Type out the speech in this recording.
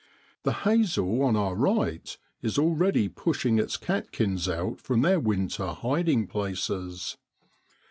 The hazel on our right is already pushing its catkins out from their winter hiding places.